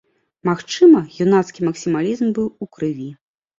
Магчыма, юнацкі максімалізм быў у крыві.